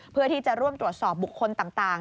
เพื่อที่จะร่วมตรวจสอบบุคคลต่าง